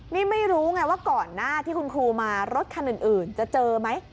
นี่ไม่รู้ไงว่าก่อนหน้าที่คุณครูมารถคันอื่นจะเจอไหม